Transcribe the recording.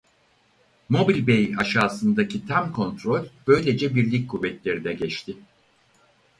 Mobil Bay aşağısındaki tam kontrol böylece Birlik kuvvetlerine geçti.